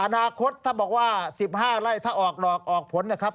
อนาคตถ้าบอกว่า๑๕ไร่ถ้าออกดอกออกผลนะครับ